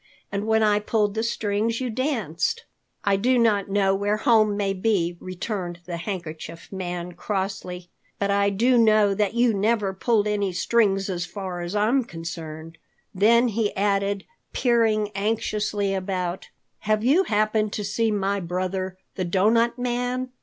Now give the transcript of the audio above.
And when I pulled the strings you danced." "I do not know where home may be," returned the Handkerchief Man crossly, "but I do know that you never pulled any strings as far as I am concerned." Then he added, peering anxiously about, "Have you happened to see my brother, the Doughnut Man?